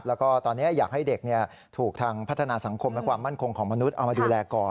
แล้วก็ตอนนี้อยากให้เด็กถูกทางพัฒนาสังคมและความมั่นคงของมนุษย์เอามาดูแลก่อน